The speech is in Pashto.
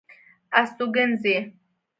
استوګنځي